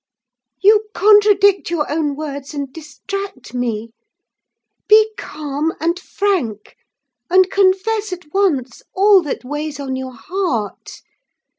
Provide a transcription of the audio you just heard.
You contradict your own words, and distract me! Be calm and frank, and confess at once all that weighs on your heart.